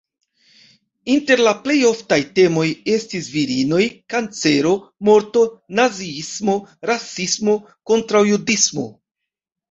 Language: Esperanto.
Inter la plej oftaj temoj estis virinoj, kancero, morto, naziismo, rasismo, kontraŭjudismo.